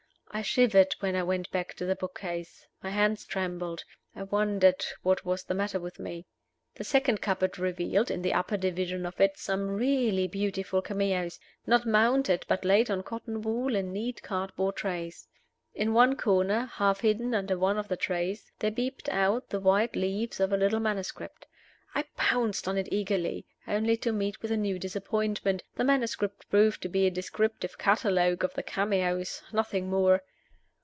I shivered when I went back to the book case. My hands trembled: I wondered what was the matter with me. The second cupboard revealed (in the upper division of it) some really beautiful cameos not mounted, but laid on cotton wool in neat cardboard trays. In one corner, half hidden under one of the trays, there peeped out the white leaves of a little manuscript. I pounced on it eagerly, only to meet with a new disappointment: the manuscript proved to be a descriptive catalogue of the cameos nothing more!